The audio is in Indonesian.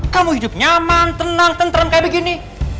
kamu hidup nyaman tenang tentram kayak begini